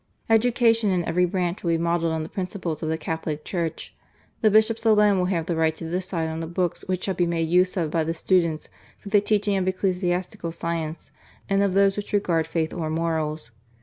Education in every branch will be modelled on the principles of the Catholic Church. The Bishops alone will have the right to decide on the books which shall be made use of by the students for the teaching of ecclesiastical science, and of those which regard faith or morals.